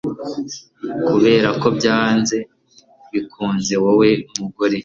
Kubera ko byanze bikunze wowe Mugore